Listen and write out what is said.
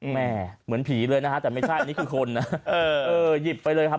เหมือนผีเลยนะฮะแต่ไม่ใช่นี่คือคนนะเออหยิบไปเลยครับ